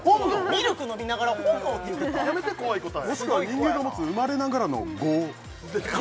ミルク飲みながら「本能」って言うてたやめて怖い答えもしくは人間が持つ生まれながらの業？